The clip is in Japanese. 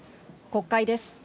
国会です。